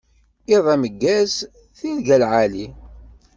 Iḍ ameggaz, tirga lɛali.